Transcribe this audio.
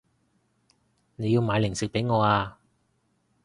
你要買零食畀我啊